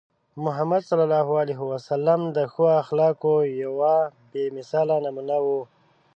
محمد صلى الله عليه وسلم د ښو اخلاقو یوه بې مثاله نمونه وو.